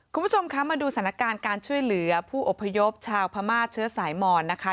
คุณผู้ชมคะมาดูสถานการณ์การช่วยเหลือผู้อพยพชาวพม่าเชื้อสายมอนนะคะ